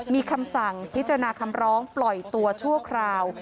มีคำสั่งพิจารณาคำร้องปล่อยตัวชั่วคราว